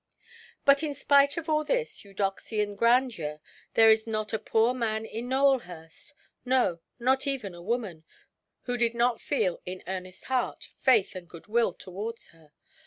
But, in spite of all this Eudoxian grandeur, there was not a poor man in Nowelhurst—no, nor even a woman—who did not feel, in earnest heart, faith and good–will towards her.